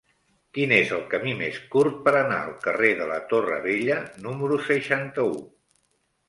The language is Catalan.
Quin és el camí més curt per anar al carrer de la Torre Vella número seixanta-u?